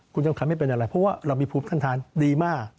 คุณจำขันไม่เป็นอะไรเพราะว่าเรามีภูมิท่านทานดีมาก